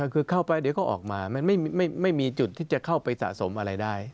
คือเข้าไปเดี๋ยวก็ออกมามันไม่มีจุดที่จะเข้าไปสะสมอะไรได้